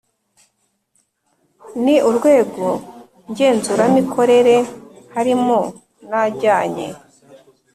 n Urwego ngenzuramikorere harimo n ajyanye